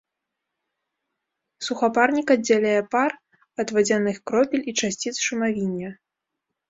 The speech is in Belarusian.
Сухапарнік аддзяляе пар ад вадзяных кропель і часціц шумавіння.